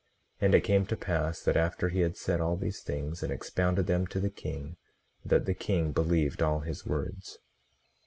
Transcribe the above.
18:40 And it came to pass that after he had said all these things, and expounded them to the king, that the king believed all his words.